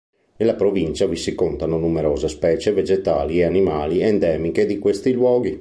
Nella provincia vi si contano numerose specie vegetali e animali endemiche di questi luoghi.